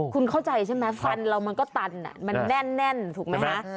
คุณเข้าใจใช่ไหมฟันเรามันก็ตันมันแน่นถูกไหมคะ